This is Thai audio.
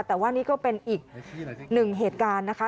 แต่ว่านี่ก็เป็นอีกหนึ่งเหตุการณ์นะคะ